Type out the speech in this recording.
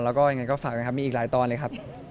แล้วก็อย่างเงี้ยก็ฝากกันครับมีอีกหลายตอนเลยครับ